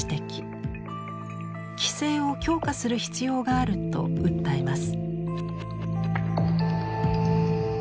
規制を強化する必要があると訴えます。